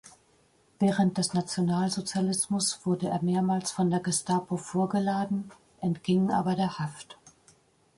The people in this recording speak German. Während des Nationalsozialismus wurde er mehrmals von der Gestapo vorgeladen, entging aber der Haft.